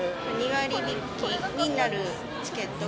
２割引きになるチケット。